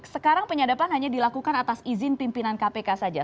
sekarang penyadapan hanya dilakukan atas izin pimpinan kpk saja